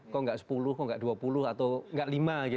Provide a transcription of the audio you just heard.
kok enggak sepuluh kok enggak dua puluh atau enggak lima gitu ya